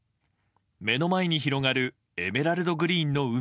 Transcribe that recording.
目の前に広がるエメラルドグリーンの海。